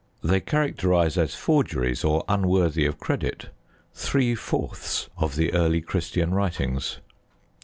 They characterise as forgeries, or unworthy of credit, three fourths of the early Christian writings.